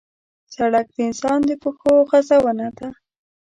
سړک د انسان د پښو غزونه ده.